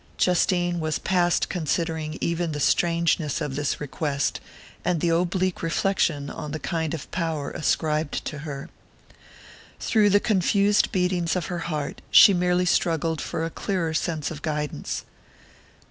Justine was past considering even the strangeness of this request, and its oblique reflection on the kind of power ascribed to her. Through the confused beatings of her heart she merely struggled for a clearer sense of guidance.